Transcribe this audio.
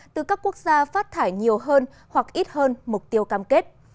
từ các quốc gia phát thải nhiều hơn hoặc ít hơn mục tiêu cam kết